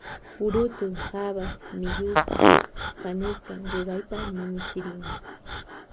Purutu habas melloco fanesca ruraypa minishtirin.